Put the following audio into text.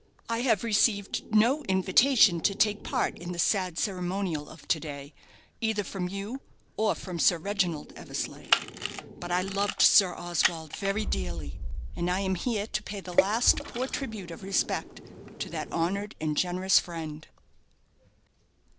"I have received no invitation to take part in the sad ceremonial of to day, either from you or from Sir Reginald Eversleigh. But I loved Sir Oswald very dearly, and I am here to pay the last poor tribute of respect to that honoured and generous friend."